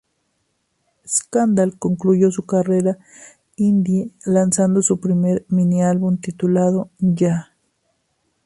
Scandal concluyó su carrera indie lanzando su primer mini-álbum titulado Yah!